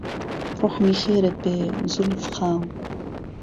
روحمی خێرت بێ زولف خاو